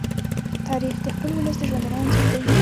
تاریخ د خپل ولس د ژوندانه انځور دی.